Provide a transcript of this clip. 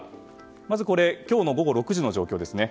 まず今日の午後６時の状況です。